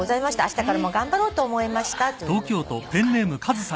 「あしたからも頑張ろうと思いました」